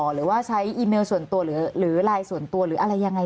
หรือว่าใช้อีเมลส่วนตัวหรือไลน์ส่วนตัวหรืออะไรยังไง